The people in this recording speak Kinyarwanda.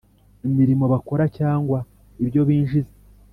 imirimo bakora cyangwa ibyo binjiza .